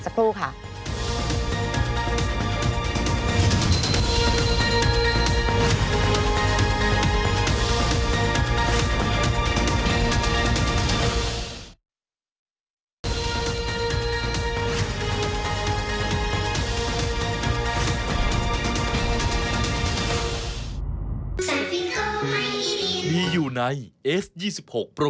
สักครู่ค่ะ